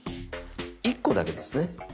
１個だけですね。